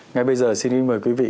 ngay bây giờ xin mời quý vị